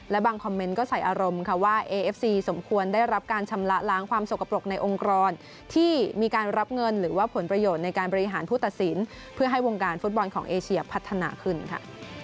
และบางคอมเมนต์ก็ใส่อารมณ์ค่ะว่าเอเอฟซีสมควรได้รับการชำระล้างความสกปรกในองค์กรที่มีการรับเงินหรือว่าผลประโยชน์ในการบริหารผู้ตัดสินเพื่อให้วงการฟุตบอลของเอเชียพัฒนาขึ้นค่ะ